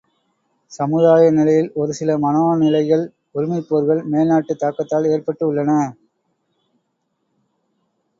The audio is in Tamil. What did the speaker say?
சமுதாய நிலையில் ஒரு சில மனோநிலைகள் உரிமைப் போர்கள் மேல் நாட்டுத் தாக்கத்தால் ஏற்பட்டு உள்ளன.